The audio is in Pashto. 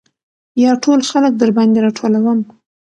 يا ټول خلک درباندې راټولم .